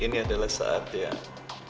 ini adalah saat yang